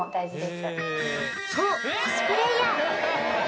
そうコスプレイヤー